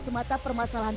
selamat bagi dukungan lokal